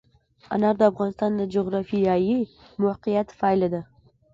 انار د افغانستان د جغرافیایي موقیعت پایله ده.